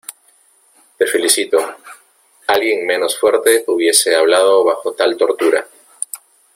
Te felicito. Alguien menos fuerte hubiese hablado bajo tal tortura .